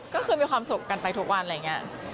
ก็คือมีความสุขกันไปทุกวันอะไรอย่างนี้